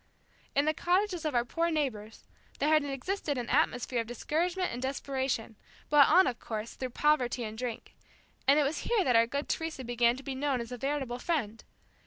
In the cottages of our poor neighbors, there had existed an atmosphere of discouragement and desperation, brought on of course, through poverty and drink, and it was here that our good Teresa began to be known as a veritable friend.